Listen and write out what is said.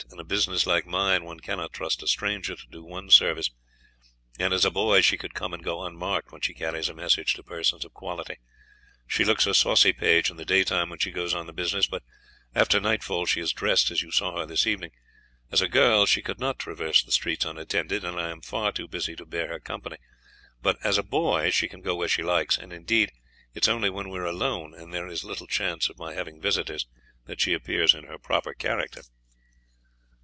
In a business like mine one cannot trust a stranger to do one service, and as a boy she could come and go unmarked when she carries a message to persons of quality. She looks a saucy page in the daytime when she goes on the business, but after nightfall she is dressed as you saw her this evening. As a girl she could not traverse the streets unattended, and I am far too busy to bear her company; but as a boy she can go where she likes, and indeed it is only when we are alone, and there is little chance of my having visitors, that she appears in her proper character."